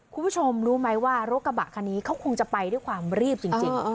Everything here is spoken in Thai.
คุณผู้ชมรู้ไหมว่ารถกระบะคันนี้เขาคงจะไปด้วยความรีบจริง